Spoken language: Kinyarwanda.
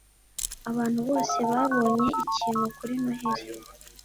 Abantu bose babonye ikintu kuri Noheri